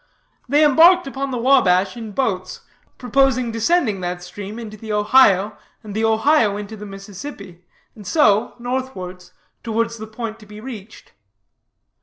They embarked upon the Wabash in boats, proposing descending that stream into the Ohio, and the Ohio into the Mississippi, and so, northwards, towards the point to be reached.